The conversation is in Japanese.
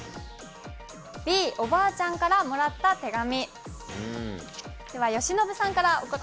Ｂ、おばあちゃんからもらった手紙。